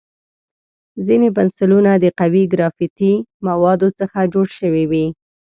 ځینې پنسلونه د قوي ګرافیتي موادو څخه جوړ شوي وي.